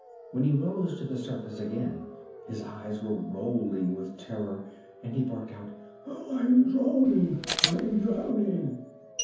When he rose to the surface again his eyes were rolling with terror, and he barked out: "I am drowning! I am drowning!"